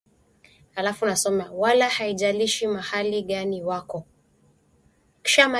wala haijalishi mahali gani wako